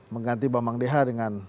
mengganti bambang dh dengan